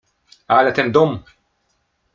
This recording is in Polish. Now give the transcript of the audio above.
— Ale ten dom…